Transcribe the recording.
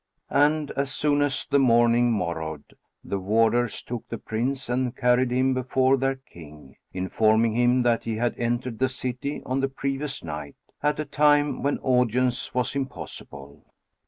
And as soon as the morning morrowed, the warders took the Prince and carried him before their King, informing him that he had entered the city on the previous night, at a time when audience was impossible.